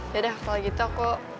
yaudah kalau gitu aku